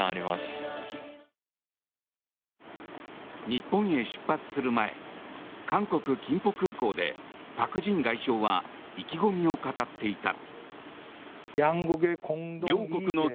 日本へ出発する前韓国・金浦空港でパク・ジン外相は意気込みを語っていた。